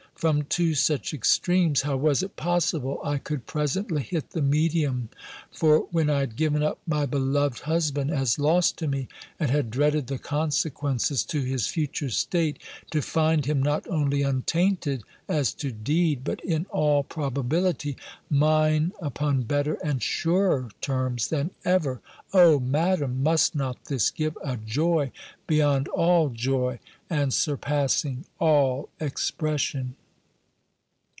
From two such extremes, how was it possible I could presently hit the medium? For when I had given up my beloved husband, as lost to me, and had dreaded the consequences to his future state: to find him not only untainted as to deed, but, in all probability, mine upon better and surer terms than ever O, Madam! must not this give a joy beyond all joy, and surpassing all expression!